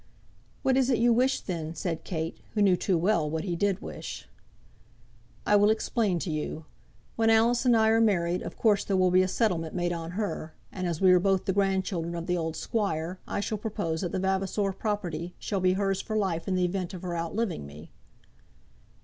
"What is it you wish then?" said Kate, who knew too well what he did wish. "I will explain to you. When Alice and I are married, of course there will be a settlement made on her, and as we are both the grandchildren of the old squire I shall propose that the Vavasor property shall be hers for life in the event of her outliving me."